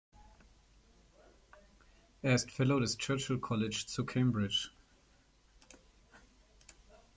Er ist Fellow des Churchill College zu Cambridge.